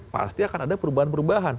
pasti akan ada perubahan perubahan